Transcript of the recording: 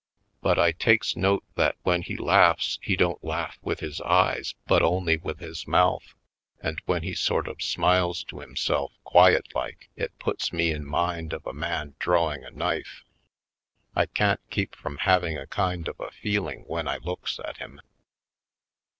But I takes note that when he laughs he don't laugh with his eyes but only with his mouth, and when he sort of smiles to him self, quiet like, it puts me in mind of a man drawing a knife. I can't keep from having a kind of a feeling when I looks at him